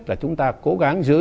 là chúng ta cố gắng giữ